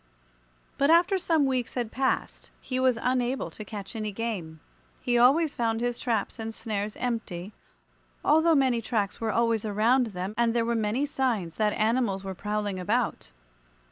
But after some weeks had passed he was unable to catch any game. He always found his traps and snares empty, although many tracks were always around them, and there were many signs that animals were prowling about.